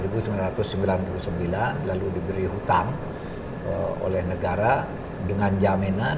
pada tahun seribu sembilan ratus sembilan puluh sembilan lalu diberi hutang oleh negara dengan jaminan